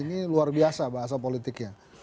ini luar biasa bahasa politiknya